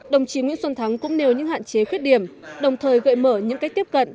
đồng chí nguyễn xuân thắng cũng nêu những hạn chế khuyết điểm đồng thời gợi mở những cách tiếp cận